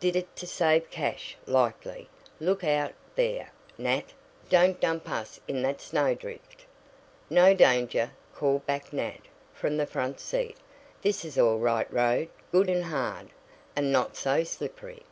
"Did it to save cash, likely. Look out, there, Nat! Don't dump us in that snowdrift!" "No danger," called back Nat from the front seat. "This is all right road good and hard, and not so slippery."